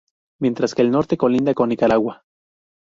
Mientras que al norte colinda con Nicaragua.